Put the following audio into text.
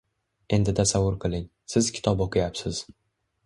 Endi tasavvur qiling: siz kitob o’qiyapsiz.